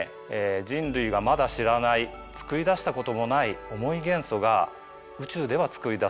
人類がまだ知らない作りだしたこともない重い元素が宇宙では作りだされている。